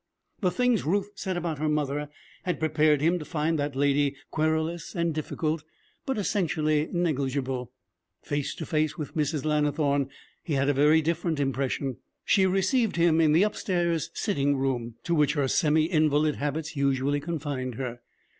The things Ruth said about her mother had prepared him to find that lady querulous and difficult, but essentially negligible. Face to face with Mrs. Lannithorne, he had a very different impression. She received him in the upstairs sitting room to which her semi invalid habits usually confined her.